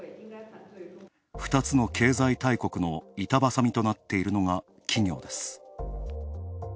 ２つの経済大国の板挟みとなっているのが企業です。